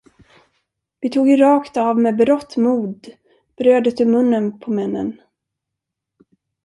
Vi tog ju rakt av med berått mod brödet ur munnen på männen.